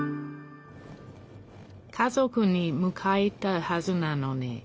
家族にむかえたはずなのに。